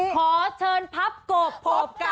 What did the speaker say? ขอเชิญพบกบ